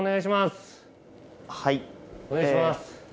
はいお願いします。